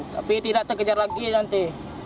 tapi tidak terkejar lagi nanti